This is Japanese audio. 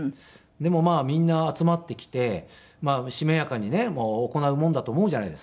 でもまあみんな集まってきてしめやかにね行うもんだと思うじゃないですか。